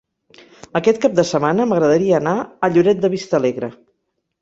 Aquest cap de setmana m'agradaria anar a Lloret de Vistalegre.